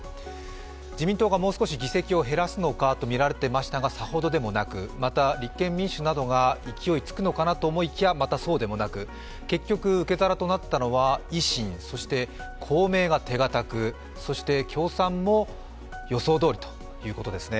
自民党がもう少し議席を減らすのかとみられていましたがさほどでもなく、また、立憲民主などが勢いがつくのかなと思いきや、またそうではなくて、結局、受け皿となったのは維新、公明が手堅くそして共産も予想どおりということですね。